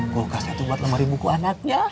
kulkasnya tuh buat lemari buku anaknya